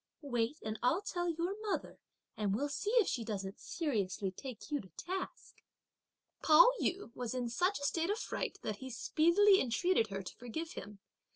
wait and I'll tell your mother and we'll see if she doesn't seriously take you to task." Pao yü was in such a state of fright that he speedily entreated her to forgive him.